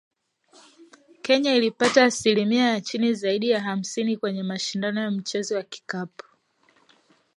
Kenya ilipata asilimia ya chini zaidi ya hamsini kwenye mashindano ya mchezo wa kikapu